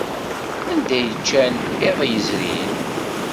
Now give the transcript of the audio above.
Anda ay ččan iḍ yezrin?